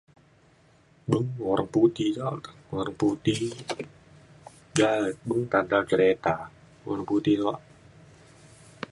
Beng urang putih ja ka urang putih ja beng tata kereta urang putih kak.